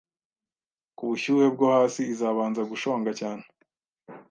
kubushyuhe bwo hasi izabanza gushonga cyane